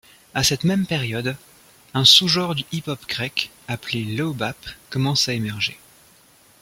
À cette même période, un sous-genre du hip-hop grec, appelé low-bap, commence à émerger.